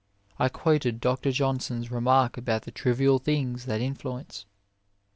I quoted Dr. Johnson s remark about the trivial things that in fluence.